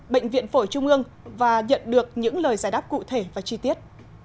bệnh viện phổi trung ương và nhận được những lời giải đáp cụ thể và chi tiết